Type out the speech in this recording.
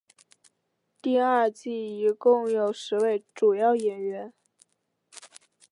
第二季一共有十位主要演员。